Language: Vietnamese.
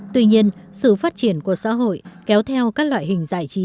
tuy nhiên sự phát triển của xã hội kéo theo các loại hình giải trí